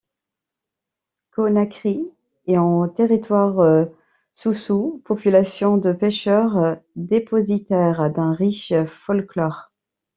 Conakry est en territoire soussou, population de pêcheurs, dépositaire d'un riche folklore.